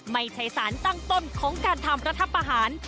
ไม่ใช่สารตั้งต้นของการทำรัฐประหาร